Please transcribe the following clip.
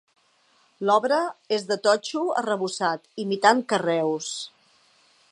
L'obra és de totxo arrebossat imitant carreus.